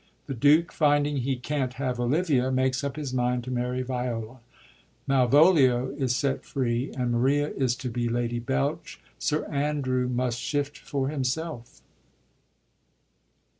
The Duke, finding he can't have Olivia, makes up his mind to marry Viola; Malvolio is set free, and Maria is to be Lady Belch. Sir Andrew must shift for himself.